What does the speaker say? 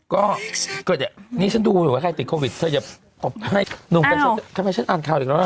ก็ก็จะนี่ฉันดูอยู่ใกล้ติดโควิดถ้าอย่าพบให้หนุ่มแต่ฉันทำไมฉันอ่านข่าวอีกแล้วน่ะ